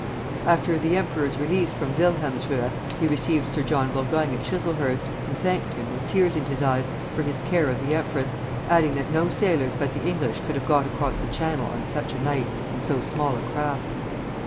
After the emperor's release from Wilhelmshöhe he received Sir John Burgoyne at Chiselhurst, and thanked him, with tears in his eyes, for his care of the empress, adding that no sailors but the English could have got across the Channel on such a night in so small a craft.